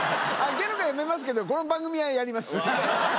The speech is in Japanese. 芸能界辞めますけど、この番組はやります。